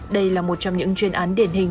đây là một trong những chuyên án điển hình